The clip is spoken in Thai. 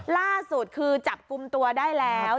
ล่าสุดคือจับกลุ่มตัวได้แล้ว